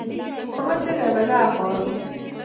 Amache kebe gaa karon